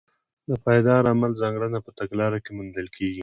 د پایداره عمل ځانګړنه په تګلاره کې موندل کېږي.